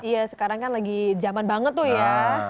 iya sekarang kan lagi zaman banget tuh ya